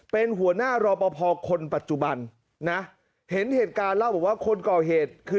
เป็นหัวหน้ารอปภคนปัจจุบันนะเห็นเหตุการณ์เล่าบอกว่าคนก่อเหตุคือ